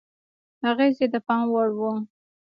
اغېز یې د پام وړ و.